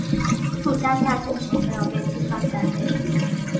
附加赛进球没有被计算在内。